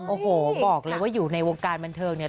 โอ้โหบอกเลยว่าอยู่ในวงการบันเทิงเนี่ย